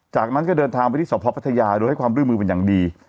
จากนั้นก็เดินทางไปที่สพพัทยาโดยให้ความร่วมมือเป็นอย่างดี